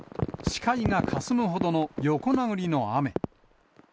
視界がかすむほどの横殴りの雨。